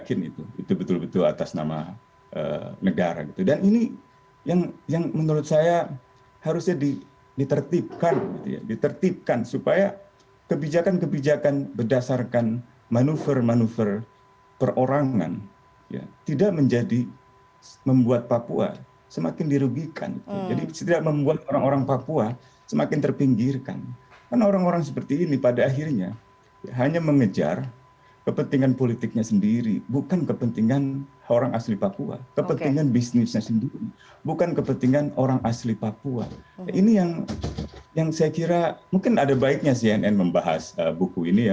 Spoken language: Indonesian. ini yang saya kira mungkin ada baiknya cnn membahas buku ini ya